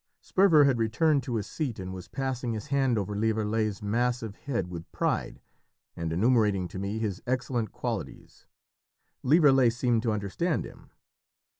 Sperver had returned to his seat, and was passing his hand over Lieverlé's massive head with pride, and enumerating to me his excellent qualities. Lieverlé seemed to understand him.